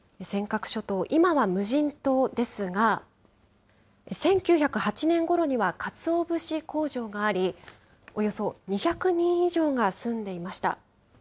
尖閣諸島、今は無人島ですが、１９０８年ごろにはかつお節工場があり、およそ２００人以上が住んでいました。